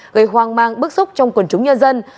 gây hoang mang bức xúc trong quần chúng nhân dân